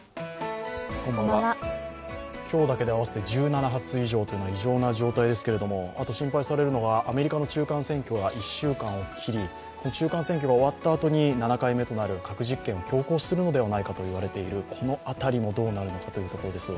今日だけで合わせて１７発以上というのは異常な状態ですけどあと心配されるのがアメリカの中間選挙が１週間を切り中間選挙が終わったあとに７回目となる核実験を強行するのではないかといわれているこのあたりもどうなるのかというところです。